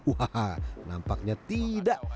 wahaha nampaknya tidak